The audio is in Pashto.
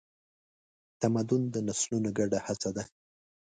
تمدن د نسلونو ګډه هڅه ده.